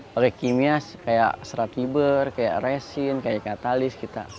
kayak kimia kayak serat fiber kayak resin kayak katalis gitu